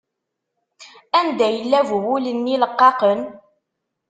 Anda yella bu wul-nni leqqaqen?